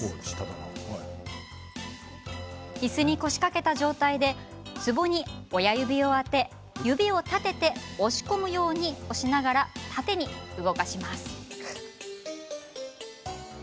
いすに腰掛けた状態でツボに親指を当て指を立てて押し込むように押しながら縦に動かします。